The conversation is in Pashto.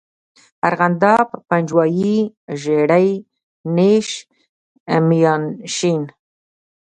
ارغنداب، پنجوائی، ژړی، نیش، میانشین.